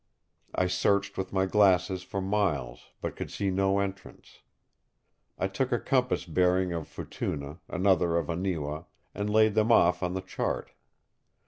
I searched with my glasses for miles, but could see no entrance. I took a compass bearing of Futuna, another of Aniwa, and laid them off on the chart.